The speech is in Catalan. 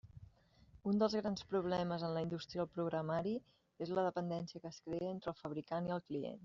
Un dels grans problemes en la indústria del programari és la dependència que es crea entre el fabricant i el client.